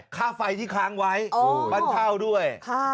ค่าไฟที่ค้างไว้บ้านเช่าด้วย